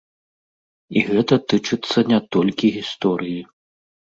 І гэта тычыцца не толькі гісторыі.